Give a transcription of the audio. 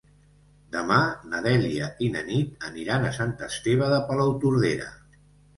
Demà na Dèlia i na Nit aniran a Sant Esteve de Palautordera.